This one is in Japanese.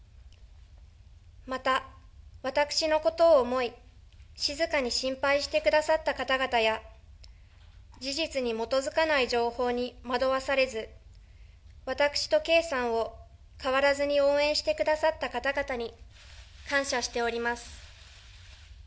また、私のことを思い、静かに心配してくださった方々や、事実に基づかない情報に惑わされず、私と圭さんを、変わらずに応援してくださった方々に、感謝しております。